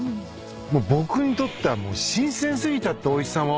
僕にとっては新鮮過ぎちゃっておいしさも。